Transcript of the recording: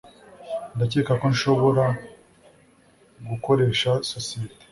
Ndakeka ko nshobora gukoresha sosiyete